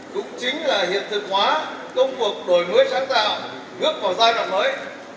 cũng chính là hiện thực hóa công cuộc đổi mới sáng tạo bước vào giai đoạn mới